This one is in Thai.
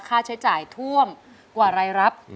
ค่าใช้จ่ายท่วมกว่ารายรับ